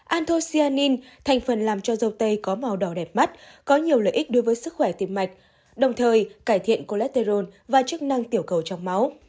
anthocyanin thành phần làm cho dầu tây có màu đỏ đẹp mắt có nhiều lợi ích đối với sức khỏe tiềm mạch đồng thời cải thiện cholesterol và chức năng tiểu cầu trong máu